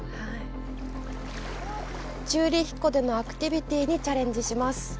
チューリヒ湖でのアクティビティにチャレンジします。